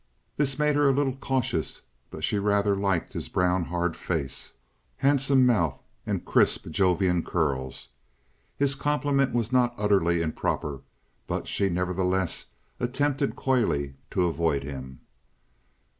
This made her a little cautious; but she rather liked his brown, hard face, handsome mouth, and crisp Jovian curls. His compliment was not utterly improper; but she nevertheless attempted coyly to avoid him.